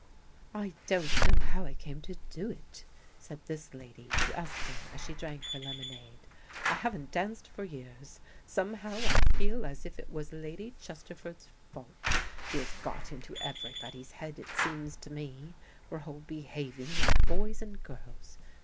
"I don't know how I came to do it," said this lady to Esther, as she drank her lemonade. "I haven't danced for years. Somehow I feel as if it was Lady Chesterford's fault. She has got into everybody's head, it seems to me. We're all behaving like boys and girls.